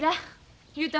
雄太